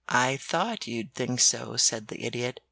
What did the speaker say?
"I thought you'd think so," said the Idiot.